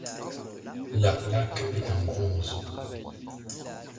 La plaque est en bronze.